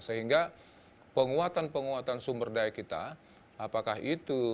sehingga penguatan penguatan sumber daya kita apakah itu